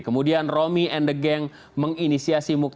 kemudian romi and the gang menginisiasi muktamar islah